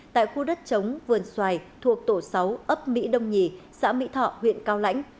tại khu đất chống vườn xoài thuộc tổ sáu ấp mỹ đông nhì xã mỹ thọ huyện cao lãnh